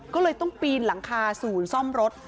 ก็เลยต้องปีนหลังคาศูนย์ซ่อมรถ